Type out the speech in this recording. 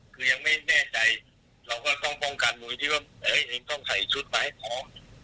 คือยังไม่แน่ใจเราก็ต้องป้องกันมวยที่ว่าเองต้องใส่ชุดมาให้พร้อม